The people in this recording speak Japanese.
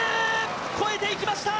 越えていきました。